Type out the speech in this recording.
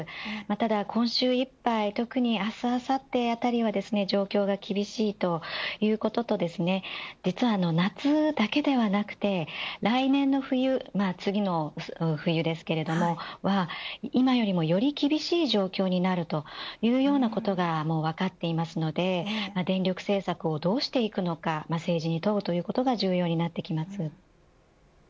ただ今週いっぱい特に明日あさってあたりは状況が厳しいということと実は夏だけではなくて来年の冬次の冬ですけれども今よりもより厳しい状況になるというようなことが分かっているので電力政策をどうしていくのか政治に問うということが重要になってきます。